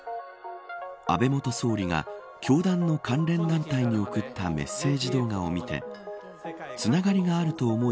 安倍元総理が教団の関連団体に送ったメッセージ動画を見てつながりがあると思い